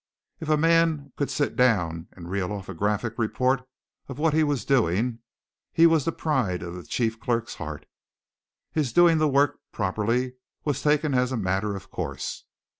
If a man could sit down and reel off a graphic report of what he was doing, he was the pride of the chief clerk's heart. His doing the work properly was taken as a matter of course.